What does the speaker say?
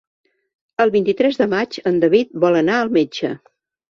El vint-i-tres de maig en David vol anar al metge.